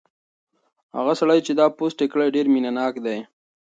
هغه سړی چې دا پوسټ یې کړی ډېر مینه ناک دی.